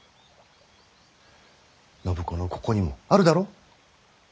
暢子のここにもあるだろ？